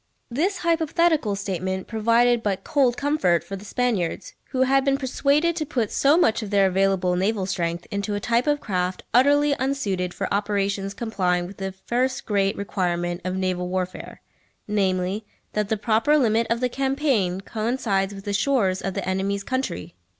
This hypothetical statement provided but cold comfort for the Spaniards, who had been persuaded to put so much of their available naval strength into a type of craft utterly unsuited for operations complying with the first great requirement of naval warfare, namely, that the proper limit of the campaign coincides with the shores of the enemy's country.